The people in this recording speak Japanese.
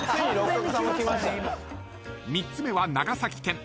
［３つ目は長崎県］